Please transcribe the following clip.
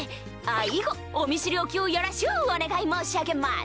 以後お見知りおきをよろしゅうお願い申し上げます。